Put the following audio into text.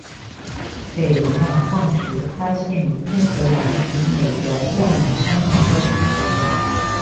腿龙的化石发现于英格兰与美国亚利桑那州。